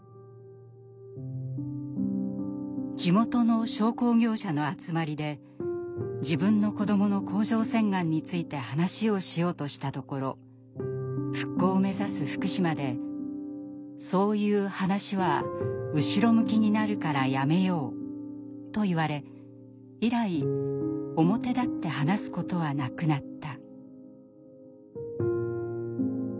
地元の商工業者の集まりで自分の子どもの甲状腺がんについて話をしようとしたところ復興を目指す福島でと言われ以来表立って話すことはなくなった。